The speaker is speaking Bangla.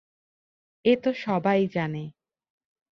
এ তো সবাই জানে।